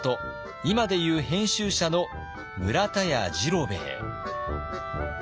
今でいう編集者の村田屋治郎兵衛。